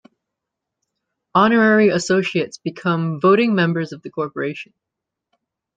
Honorary Associates become voting members of the corporation.